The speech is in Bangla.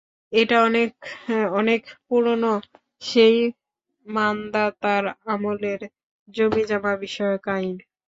এটা অনেক অনেক পুরনো সেই মান্দাতার আমলের জমিজমা বিষয়ক আইন!